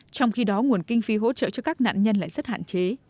trong khi đó nguồn kinh phí hỗ trợ cho các nạn nhân lại rất hạn chế